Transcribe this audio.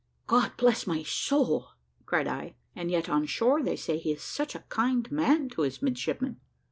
"God bless my soul!" cried I, "and yet, on shore, they say he is such a kind man to his midshipmen."